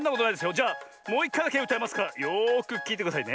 じゃあもういっかいだけうたいますからよくきいてくださいね。